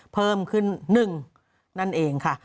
เพิ่มขึ้น๑นั่นเองค่ะ